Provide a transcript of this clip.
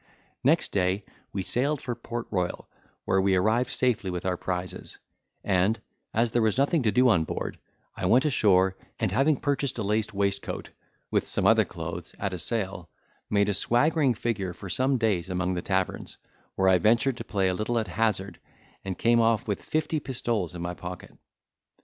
Next day we sailed for Port Royal, where we arrived safely with our prizes; and, as there was nothing to do on board, I went ashore, and having purchased a laced waistcoat, with some other clothes, at a sale, made a swaggering figure for some days among the taverns, where I ventured to play a little at hazard, and came off with fifty pistoles in my pocket.